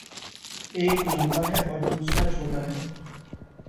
एक लम्बा है और दूसरा छोटा है।